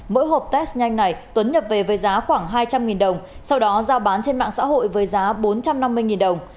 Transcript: mỗi hộp test nhanh này tuấn nhập về với giá khoảng hai trăm linh đồng sau đó giao bán trên mạng xã hội với giá bốn trăm năm mươi đồng